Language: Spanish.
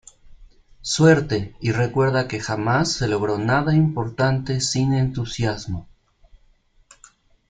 Suerte y recuerda que “jamás se logró nada importante sin entusiasmo.